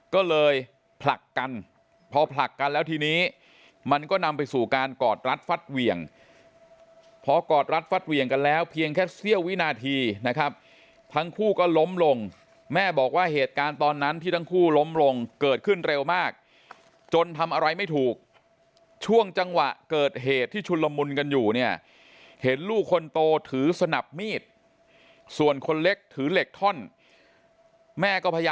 ก็เลยผลักกันพอผลักกันแล้วทีนี้มันก็นำไปสู่การกอดรัดฟัดเหวี่ยงพอกอดรัดฟัดเหวี่ยงกันแล้วเพียงแค่เสี้ยววินาทีนะครับทั้งคู่ก็ล้มลงแม่บอกว่าเหตุการณ์ตอนนั้นที่ทั้งคู่ล้มลงเกิดขึ้นเร็วมากจนทำอะไรไม่ถูกช่วงจังหวะเกิดเหตุที่ชุนละมุนกันอยู่เนี่ยเห็นลูกคนโตถือสนับมีดส่วนคนเล็กถือเหล็กท่อนแม่ก็พ